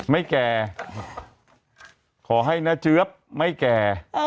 ไม่แก่ขอให้น้าเจ๊อบไม่แก่